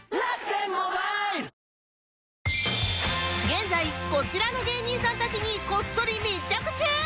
現在こちらの芸人さんたちにこっそり密着中！